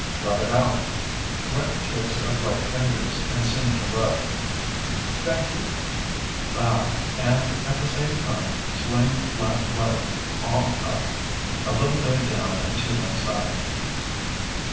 Rub it out (Wet tips of right fingers, and seem to rub). Thank you (Bow and, at the same time, swing flat right, palm up, a little way down and to one side).